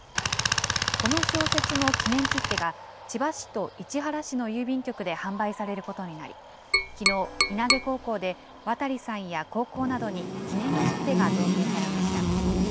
この小説の記念切手が、千葉市と市原市の郵便局で販売されることになり、きのう、稲毛高校で渡さんや高校などに記念切手が贈呈されました。